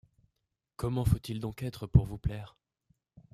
Comment faut-il donc être pour vous plaire?